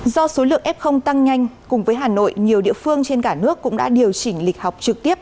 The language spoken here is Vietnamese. do số lượng f tăng nhanh cùng với hà nội nhiều địa phương trên cả nước cũng đã điều chỉnh lịch học trực tiếp